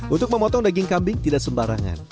untuk memotong daging kambing tidak sembarangan